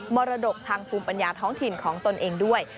มรดกทางภูมิปัญญาท้องถิ่นของตนเองด้วย